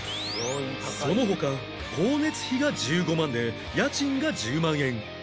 その他光熱費が１５万で家賃が１０万円